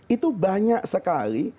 itu banyak sekali